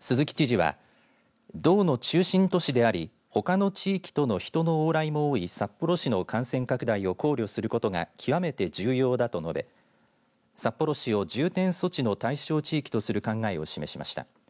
鈴木知事は、道の中心都市でありほかの地域との人の往来も多い札幌市の感染拡大を考慮することが極めて重要だと述べ札幌市を重点措置の対象地域とする考えを示しました。